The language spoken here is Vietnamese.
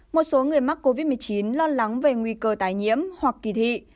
một số người mắc covid một mươi chín lo lắng về nguy cơ tái nhiễm hoặc kỳ thị